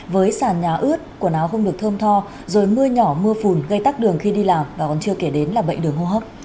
với sàn nhà ướt quần áo không được thơm tho rồi mưa nhỏ mưa phùn gây tắc đường khi đi làm và còn chưa kể đến là bệnh đường hô hấp